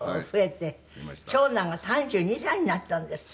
長男が３２歳になったんですって？